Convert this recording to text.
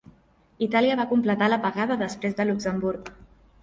Itàlia va completar l'apagada després de Luxemburg.